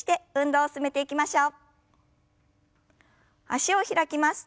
脚を開きます。